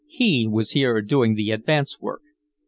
He was here doing the advance work.